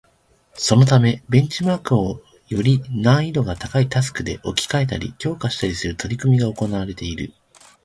そのためベンチマークをより難易度が高いタスクで置き換えたり、強化したりする取り組みが行われている